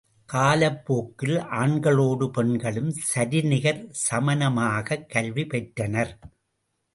காலப்போக்கில் ஆண்களோடு பெண்களும் சரிநிகர் சமானமாகக் கல்வி பெற்றனர்.